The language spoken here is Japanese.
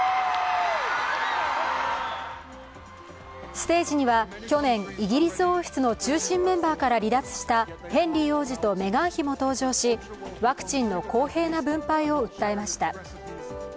ステージには去年、イギリス王室の中心メンバーから離脱したヘンリー王子とメガン妃も登場しワクチンの公平な分配を訴えました。